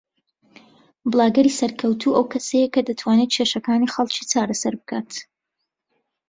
بڵاگەری سەرکەوتوو ئەو کەسەیە کە دەتوانێت کێشەکانی خەڵکی چارەسەر بکات